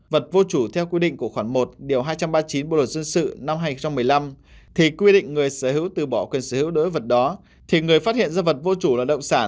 vật vô chủ theo quy định của khoảng một điều hai trăm ba mươi chín bộ luật dân sự năm hai nghìn một mươi năm thì quy định người sở hữu từ bỏ quyền sở hữu đối vật đó thì người phát hiện ra vật vô chủ động sản